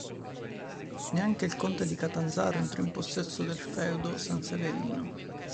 Neanche il conte di Catanzaro entrò in possesso del feudo sanseverino.